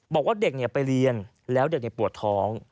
บอกว่าเด็กไปเรียนแล้วเด็กปวดท้อง